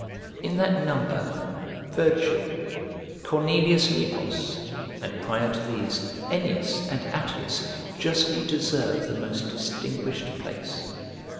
In that number, Virgil, Cornelius Nepos, and prior to these, Ennius and Attius, justly deserve the most distinguished place.